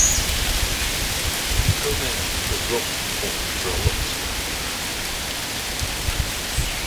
The film ends with Robin calling for a locksmith.